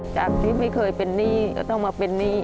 จากที่ไม่เคยเป็นหนี้ก็ต้องมาเป็นหนี้